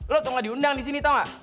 lo tau gak diundang disini tau gak